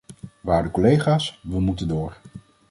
Waarde collega's, we moeten door.